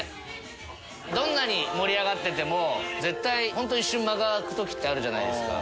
どんなに盛り上がってても絶対本当一瞬間が空く時ってあるじゃないですか。